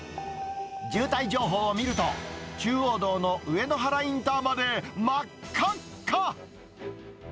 渋滞情報を見ると、中央道の上野原インターまでまっかっか。